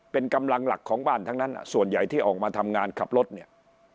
เป็นกำลังหลักของบ้านทั้งนั้นส่วนใหญ่ที่ออกมาทำงานขับรถเนี่ย